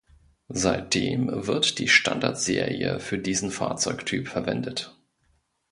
Seitdem wird die Standard-Serie für diesen Fahrzeugtyp verwendet.